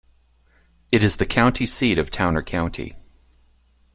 It is the county seat of Towner County.